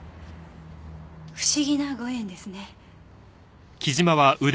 不思議なご縁ですね。